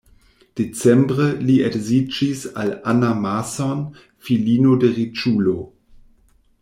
Decembre li edziĝis al Anna Mason, filino de riĉulo.